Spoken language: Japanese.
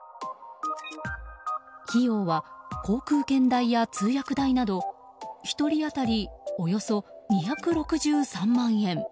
費用は航空券代や通訳代など１人当たりおよそ２６３万円。